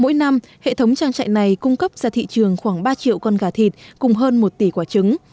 mỗi năm hệ thống trang trại này cung cấp ra thị trường khoảng ba triệu con gà thịt cùng hơn một tỷ quả trứng